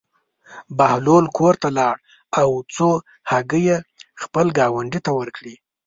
بهلول کور ته لاړ او څو هګۍ یې خپل ګاونډي ته ورکړې.